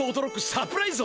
サプライズ？